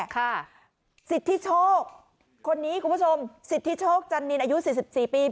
ค่ะสิทธิโชคคนนี้คุณผู้ชมสิทธิโชคจันนินอายุสี่สิบสี่ปี